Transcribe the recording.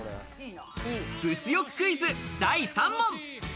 物欲クイズ第３問。